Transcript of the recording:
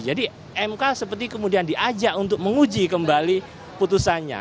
jadi mk seperti kemudian diajak untuk menguji kembali putusannya